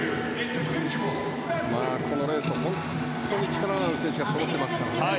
このレースは本当に力のある選手がそろっていますからね。